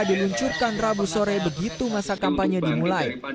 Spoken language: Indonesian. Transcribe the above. diluncurkan rabu sore begitu masa kampanye dimulai